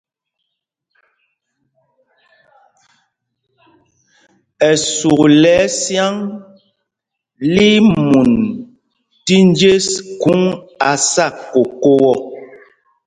Ɛsûk lɛ ɛsyǎŋ li í mun tí njes khûŋ á sá kokō ɔ.